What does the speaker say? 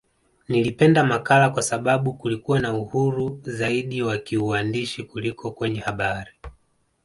Nilipenda makala kwa sababu kulikuwa na uhuru zaidi wa kiuandishi kuliko kwenye habari